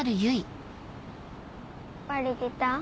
バレてた？